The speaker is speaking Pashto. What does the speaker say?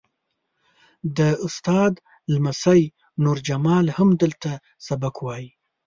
د استاد لمسی نور جمال هم دلته سبق وایي.